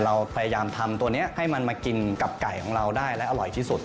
เราพยายามทำตัวนี้ให้มันมากินกับไก่ของเราได้และอร่อยที่สุด